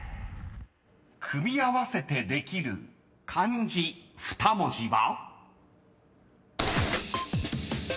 ［組み合わせてできる漢字２文字は？］